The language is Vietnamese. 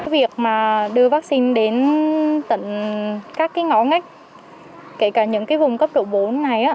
việc đưa vaccine đến tận các ngõ ngách kể cả những vùng cấp độ bốn này